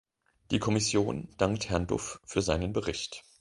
Die Kommission dankt Herrn Duff für seinen Bericht.